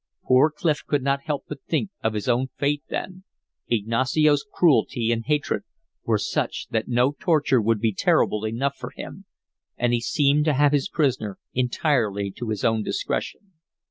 Poor Clif could not help but think of his own fate then. Ignacio's cruelty and hatred were such that no torture would be terrible enough for him. And he seemed to have his prisoner entirely to his own discretion.